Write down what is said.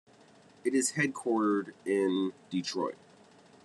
It is headquartered in Detroit.